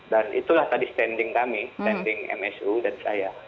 dan itulah tadi standing kami standing msu dan saya